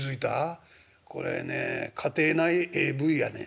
これねえ家庭内ＡＶやねん」。